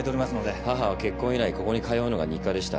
母は結婚以来ここに通うのが日課でした。